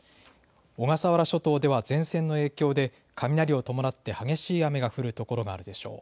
小笠原諸島では前線の影響で雷を伴って激しい雨が降る所があるでしょう。